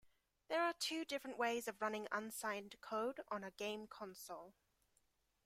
There are two different ways of running unsigned code on a game console.